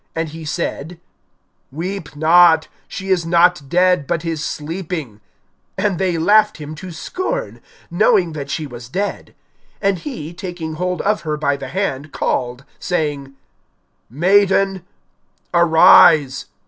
And he said: Weep not; she is not dead, but is sleeping. (53)And they laughed him to scorn, knowing that she was dead. (54)And he, taking hold of her by the hand, called, saying: Maiden, arise.